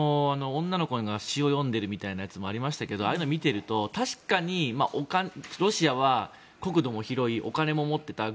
女の子が詩を読んでいるみたいなやつもありましたがああいうのを見ていると確かにロシアは国土も広い、お金も持っていた